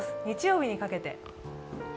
日曜日にかけて。